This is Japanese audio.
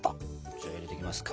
じゃあ入れていきますか。